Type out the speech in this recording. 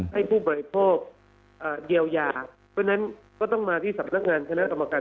ให้ผู้บริโภคเยียวยาเพราะฉะนั้นก็ต้องมาที่สำนักงานคณะกรรมการ